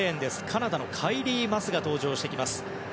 カナダのカイリー・マスが登場してきます。